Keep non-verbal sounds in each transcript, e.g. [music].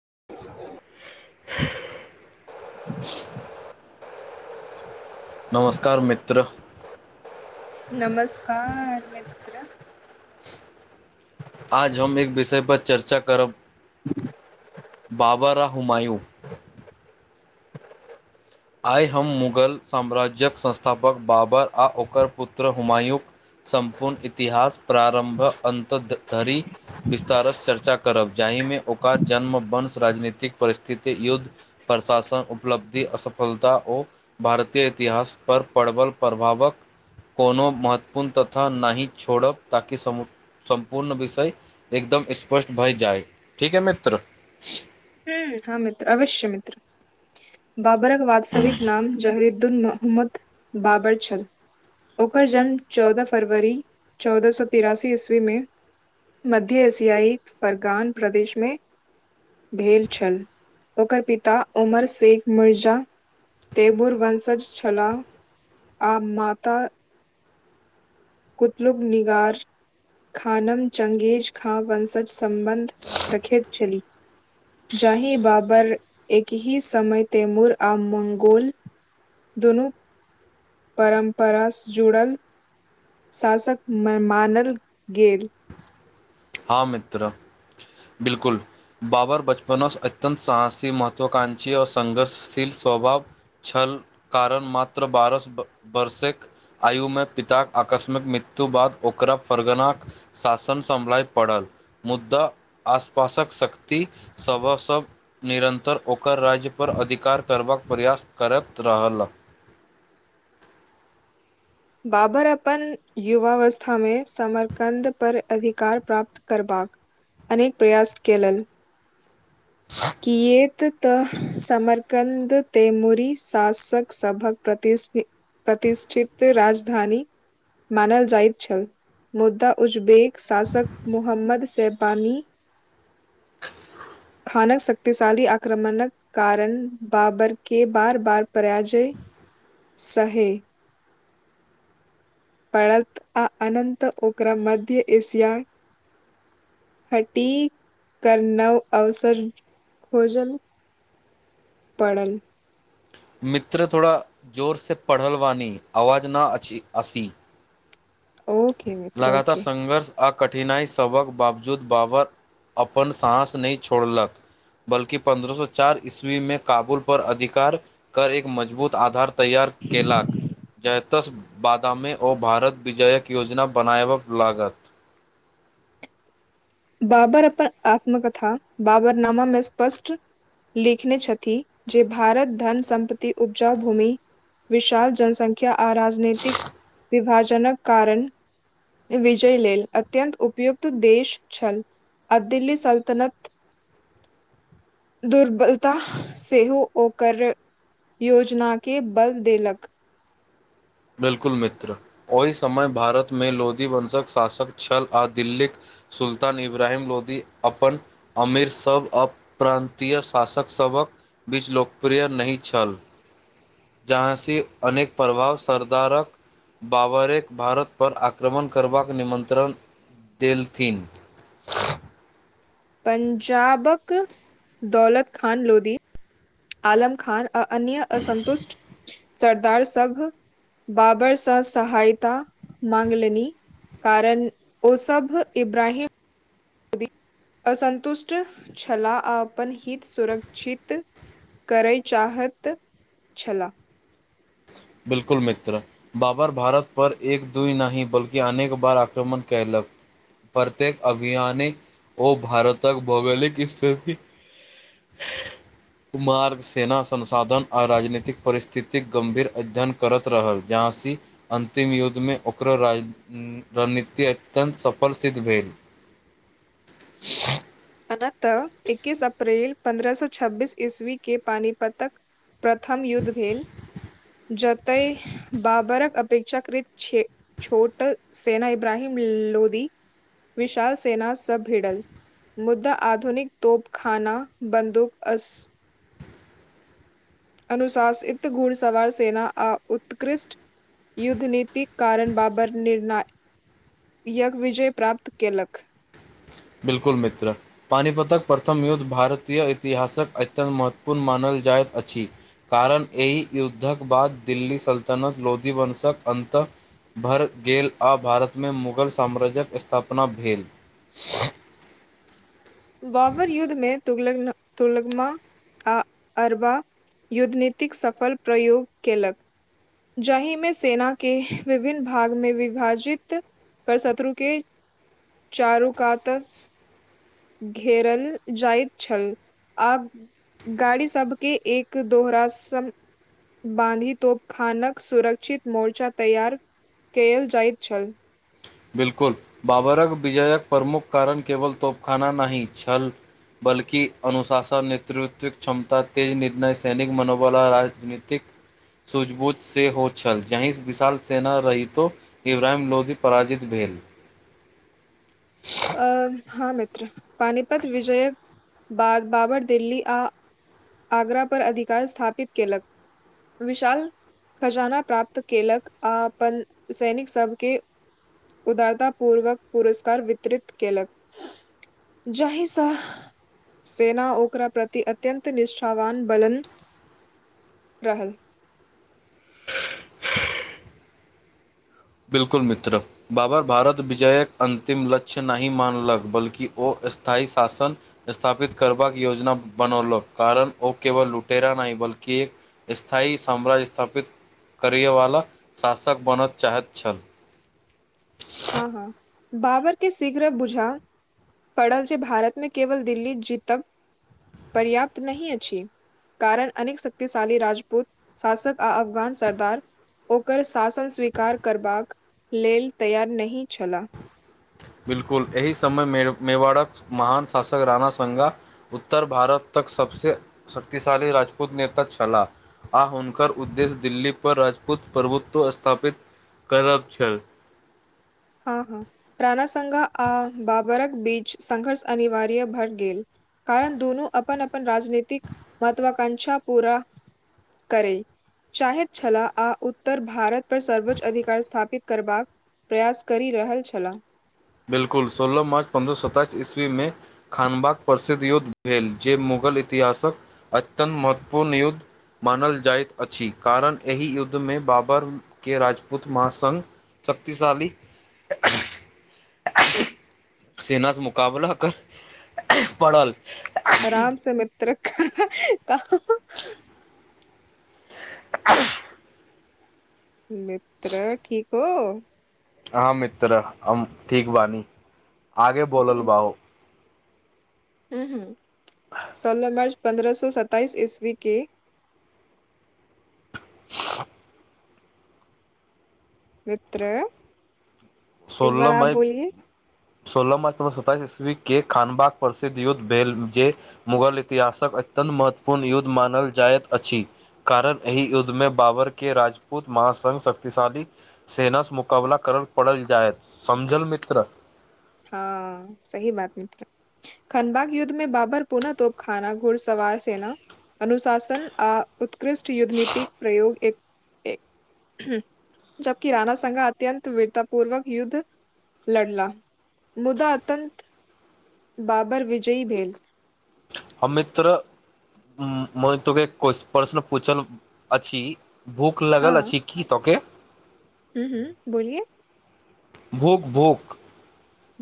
[inaudible] नमस्कार मित्र। नमस्कार मित्र। आज हम एक विषय पर चर्चा करब बाब राह हममा यू आइ हम मुगल साम्राज्य्यक संस्थापक बाबर आ ओकर पुत्र हुमायूँ सम्पूर्ण इतिहास प्रारम्भ अन्त धरि। विस्तारस चर्चा करब जाहिमे ओकर जन्म वश राजनीतिक परिस्थिति युद्ध प्रशासन उपलब्धि फलता ओ भारतीय इतिहास पर प्रबल प्रभावकऽ कोनो महत्वपूर्ण तथा नहि छोड़ ताकि समु सम्पूर्ण विषय एकदम स्पष्ट भऽ जाए ठीक है मित्र हू, हाँ मित्र अवश्य मित्र बाबरक वास्तविक नाम जहरी अब्दुल महमूद बाबर छलऽ ओकर जन्म चौदह फरवरी चौदह सए तिरासी ईस्वी मे मध्य एशियाई फर्गान प्रदेश मे भेल छल ओकर पिता उमर शेख मिर्जा। तेबुर वशज छलाह आ माता कुतलुब निगर खानम चंगेज ख वंशज सम्बन्ध रख छैलेली जाहि बाबर एकहि समय तैमुर आ मंगोल दुनू परम्पराँ जुड़ल। शास कऽ मानल गेल हँ मित्र बिल्कूल। बाबर बचपनसँ अत्यन्त साहसी महत्वाकाक्षीओ संघर्षशील स्वभाव छल कारण मात्र बारह वर्षकऽ आयुमे पिताक आकस्मिक मृत्यु बाद ओकरा परगनाक शासन सम्लय पड़ल मुदा आसपासक शक्ति सभ से निरन्तर ओकर राज्यपर अधिकार करबाक प्रयास करैत रहल बाबर अपन युववस्था मे समरकन्द पर अधिकार प्राप्त करबाकऽ अनेक प्रयास कल ह। किएत तऽ समरकन्द तेमरी शासक सभकऽ प्रतिस्नि प्रतिष्ठित राजधानी मानल जाइत छै मुद्दा उज्बेक शासक मुहम्मद सैबानी [unintelligible] खानक शक्तिशाली आक्रमणक कारण बाबर के बार बार पराजय सहे पड़त आ अनंत ओकरा मध्य एशिया हटी कनव अवसर [inaudible] खोजल परल मित्र थोड़ा जोर से पढ़ल वाणी आवाज न अछि अँसी ओके मित्र लगातार ओके। संघर्ष आ कठिनाइ सभक बावजूद बाबर अपन साँस नहि छोड़लक बल्कि पन्द्रह सौ चार ईस्वी मे काबुल पर अधिकार करैक मजबूत आधार तैयार कयेलक जतैस बादामें ओ भारत विजयक योजना बनायबऽ लागत बाबर अपन आत्मकथा बाबरनामा म स्पष्ट लिखने छथि जे भारत धन सम्पति उपजाउ भूमि विशाल जनसंख्या आ राजनीतिक विभाजनक कारण विजय लेल अत्यंत उपयुक्त देश छल अ दिल्ली सल्तनत दुर्बलता सेहो ओकर योजना के बल देलक बिल्कुल मित्र ओहि समय भारतमे लोधी वंशक शासक छल आ दिल्लीक सुल्तान इब्रहिम लोधी अपन अमेर सभ अप्रान्तीय शासक सभक बीच लोकप्रिय नहि छल [inaudible] जहाँ अनेक प्रभावसँ सरदारक बाबरे क भारत पर आक्रमण करबाक निमंत्रण देल थिन पंजाब क दौलत खान लोधी आलम खान आ अन्य असन्तुष्ट सरदार सब बाबर सँ सहायता माँग लनि कारण ओ सब इब्रहिम [inaudible] असन्तुष्ट छलाह आ अपन हित सुरक्षित करै चाहैत छला बिल्कुल मित्र बाबर भारत पर एक दूइ नहि बल्कि अनेक बार आक्रमण कयलक प्रत्येक अभियानिक ओ भारतक भौगोलिक स्थिति मार्ग सेना संसाधन आ राजनीतिक परिस्थिति गंभीर अध्ययन करैत रहल जहाँ सी अंतिम युद्धमे ओकरो राज्य रणनीति अत्यन्त सफल सिद्ध भेल [inaudible] अनतः ऐकिस अप्रैल पन्द्रह सौ छब्बीस ईस्वी के पानिपात क प्रथम युद्ध भेल जतए बाबरक अपेक्षाकृत छैय छोट सेना इब्रहिम लोधी विशाल सेना सब भिड़ल मुद्दा आधुनिक तोप खाना बन्दूक अस अनुशासित घुड़सवार सेना आ उत्कृष्ट युद्ध निति कारण बाबर निर्णाय याज्ञ विजय प्राप्त कयेलक बिल्कूल मित्र पानीपतक प्रथम युद्ध भारतीय इतिहास कऽ अत्यन्त महत्वपूर्ण मानल जाइत अछि कारण एहि युद्ध कऽ बाद दिल्ली सल्तनत लोधी वंशक अन्त भरि गेल आ भारतमे मुगल साम्राज्यक स्थापना भेल। बावर युद्ध मे तुलगमा आ अरबा युद्धनीति कऽ सफल प्रयोग कयेलक जाहिमे सेना के विभिन्न भागमे विभाजित पर शत्रु कऽ चारु काातस घेरल जाइत छै आब गाड़ी सभके एक दोहरा सम बाँधितोप खानक सुरक्षित मोर्चा तैयार कल जाइत छै बिल्कूल बाबरक विजयक प्रमुख कारण केवल तोपखाना नहि छल बल्कि अनुशासन नेतृत्वक क्षमता तेज निर्णय सैनिक मनोबल आ राजनीति कऽ सूझबूझ से हो छै यी विशाल सेना रहितो इब्रहिम लोधी पराजित भेल आ हँ मित्र पानिपत विजयक ब बाबर दिल्ली आ आगरा पर अधिकार स्थापित केल कऽ विशाल खजाना प्राप्त केल ककऽ आ अपन सैनिक सभके उदारता पूर्व कऽ पुरस्कार वितरित केलक जाहि सँ सेना ओकरा प्रति अत्यन्त निष्ठावान बलन रहल बिल्कुल मित्र। बावर भारत विजयक अंतिम लक्ष्य नहि मानलक बल्कि ओ स्थायी शासन स्थापित करबा कऽ योजना बनौल कारण ओ केवल लुटेरा नहि बल्कि एक स्थायी साम्राज्य स्थापित करयवला शासक बनय चाहैत छै हँ, हँ बाबर के शीघ्र बुझा पड़ल ज भारतमे केवल दिल्ली जीतब पर्याप्त नहि अछि कारण अनेकऽ शक्तिशाली राजपूत शासक आ अफगान सरदार ओकर शासन स्वीकार करबाकऽ लेल तैयार नहि छलाह बिल्कूल एहि समय मेवाड़क महान शासक राणा संघ उत्तर भारत तक सभसँ शक्तिशाली राजपूत नेता छला। आ हुनक उद्देश्य दिल्ली पर राजपूत प्रभुत्व स्थापित करब छै हँ हँ रणा सघा आ बाबरकऽ बीच संघर्ष अनिवार्य भर गेल कारण दोनू अपन अपन राजनीतिक महत्वाकांषा पूरा करै। चाहैत छला आ उत्तर भारत पर सर्वोच्च अधिकार स्थापित करबाक प्रयास करि रहल छै बिल्कूल सोलह मार्च पन्द्रह सए सत्तइस ईस्वीमे खानबाक प्रसिद्ध युद्ध भेल जे मुगल इतिहासकऽ अत्यन्त महत्वपूर्ण युद्ध मानल जाइत अछि कारण एहि युद्ध मे बावर के राजपूत महासङघ शक्तिशाली। सेना सँ मुकाबला कर पड़ल आ राम से मित्र कह [inaudible] [inaudible] [unintelligible] [unintelligible] सोलह मार्च पन्द्रह सौ सताइस ईस्वी के मित्र एक बार सोलह आप मइ बोलिए सोलह मार्च उन्नैस सौ सताइस ईस्वी के खानबाक परसिद्ध युद्ध भेल जे मुगल इतिहासक अत्यन्त महत्वपूर्ण युद्ध मानल जाइत अछि कारण एहि युद्ध मे बाबर के राजपूत महासंघ शक्तिशाली सेना स मुकाबला करल पड़ल जायत समझल मित्र हँ सही बात मित्र खनबाक युद्ध मे बाबर पुनः तोप खाना घुड़सवार सेना अनुशासन आ उत्कृष्ट युद्ध नीतिक प्रयोग एक एक जबकि राना संघा अत्यन्त वीरता पूर्वक युद्ध लड़ला मुदा अतंत बाबर विजयी भेल हम मित्र [unintelligible] के प्रश्न पूछल अछि भूख लागल अछि की तोके [unintelligible] हूँ हूँ [unintelligible] भूक भूक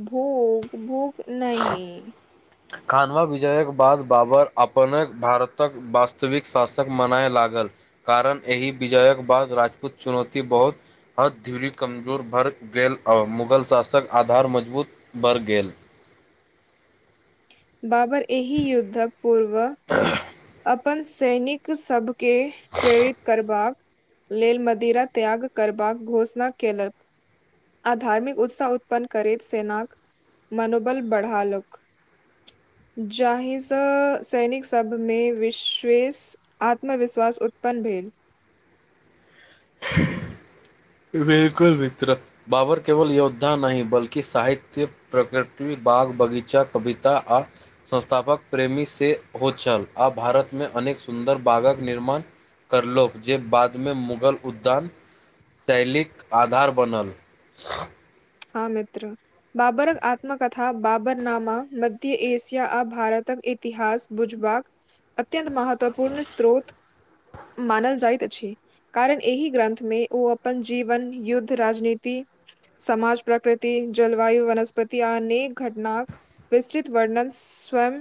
भूक भूक [unintelligible] खानवा विजयक बाद बाबर अपने भारतक वास्तविक शासक मनाय लागल कारण एहि विजयक बाद राजपूत चुनौती बहुत हद ध्यरी कमजोर भरि गेल आओर मुगल शासक आधार मजबूत बढ़ि गेल बाबर एहि युद्धक पूर्व [inaudible] अपन सैनिक सबके प्रेरित करबाक लेल मदिरा त्याग करबाक घोषणा केलक आ धार्मिक उत्साह उत्पन्न करैत सेनाक मनोबल बढ़आलक जाहिसँ सैनिक सब मे विशेष आत्मविश्वास उत्पन्न भेल बिलकुल मित्र बाबर केवल योद्धा नहि बल्कि साहित्य प्रकृति बाग बगीचा कविता आ संस्थापक प्रेमी सेहो छल आ भारतमे अनेक सुन्दर बागक निर्माण करलोक जे बादमे मुगल उद्यान शैलीक आधार बनल हँ मित्र बाबरक आत्मकथा बाबर नामा मध्य एशिया आ भारतक इतिहास बुझबाठ अत्यंत महत्वपूर्ण स्रोत मानल जाइत अछि कारण एहि ग्रन्थमे ओ अपन जीवन युद्ध राजनीति समाज प्रकृति जलवायु वनस्पति आ अनेक घटनाक विस्तृत वर्णन स्वयं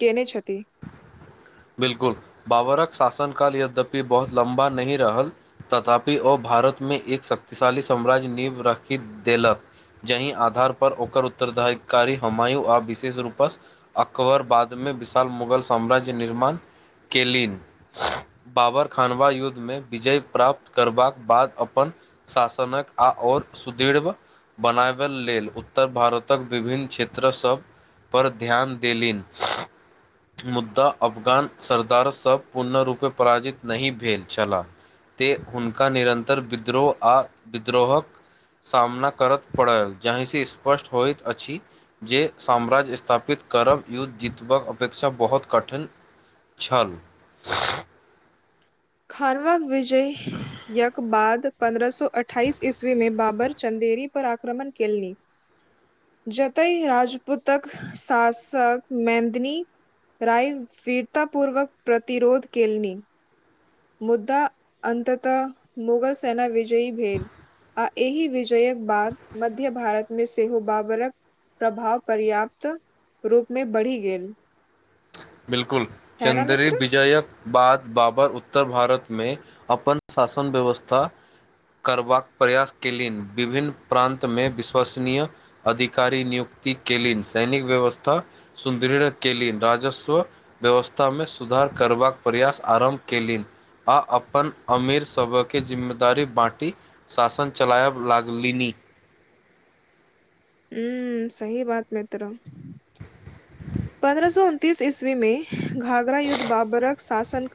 केने छथि बिल्कुल बाबरक शासन काल यद्यपि बहुत लम्बा नहि रहल तथापि ओ भारतमे एक शक्तिशाली साम्राज्य नींव राखि देलक जाहि आधारपर ओकर उत्तराधिकारी हुमांयु आर विशेष रूपसँ अकबर बादमे विशाल मुगल साम्राज निर्माण केलीन बाबर खानवा युद्धमे विजय प्राप्त करबाक बाद अपन शासनक आ और सुदृब बनाबै लेल उत्तर भारतक विभिन्न क्षेत्रसभ पर ध्यान देलनि मुद्दा अफगान सरदार सभ पूर्णरूपे पराजित नहि भेल छलाह तेँ हुनका निरन्तर विद्रोह आ विद्रोहक सामना करत पड़ल जहि से स्पष्ट होइत अछि जे साम्राज्य स्थापित करब युद्ध जितबाक अपेक्षा बहुत कठिन छल खानवाक विजय यक बाद पन्द्रह सो अठाइस ईस्वी मे बाबर चदेरी पर आक्रमण केली [inaudible] जतहि राजपूतक शासक मेंदनी [unintelligible] पूर्वक प्रतिरोध केलनि मुद्दा अन्ततः मुगल सेैना विजय भेल आ एहि विजयक बाद मध्य भारत मे सेहो बाबरक प्रभाव पर्याप्त रूप मे बढ़ि गेल बिलकुल है न चन्द्ररी मित्र? बिजयकऽ बाद बाबर उत्तर भारत मे अपन शासन व्यवस्था करबाक प्रयास कयलनि विभिन्न प्रान्तमे विश्वसनीय अधिकारी नियुकति कल सैनिक व्यवस्था सुदृढ़ केलिन राजस्व व्यवस्थामे सुधार करबाक प्रयास आरम्भ कयलनि आ अपन अमीर सभके जिम्मेदारी बाँटी शासन चलायब लागलीनी हूँ सही बात मित्र पन्द्रह सौ तीस ईस्वीमे घाघरा युद्ध बाबरक शासन